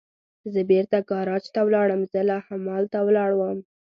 زه بېرته ګاراج ته ولاړم، زه لا همالته ولاړ ووم.